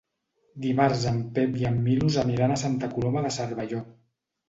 Dimarts en Pep i en Milos aniran a Santa Coloma de Cervelló.